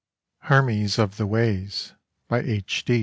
Hermes of the Ways By H.